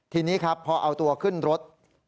ทีนี้ครับพอเอาตัวขึ้นรถ